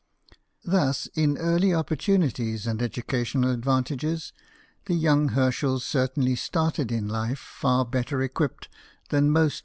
Thus, in early opportunities and educational advantages, the young Herschels certainly started in life far better equipped than most WILLIAM HERS 'CHE L, BA NDSMA N.